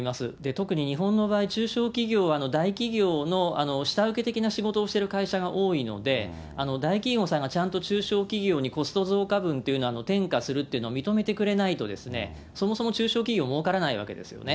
特に日本の場合、中小企業、大企業の下請け的な仕事をしている会社が多いので、大企業さんがちゃんと中小企業にコスト増加分を転嫁するっていうのを認めてくれないとですね、そもそも中小企業もうからないわけですよね。